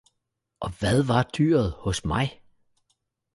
Og hvad var dyret hos mig!